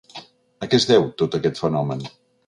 A què es deu, tot aquest fenomen?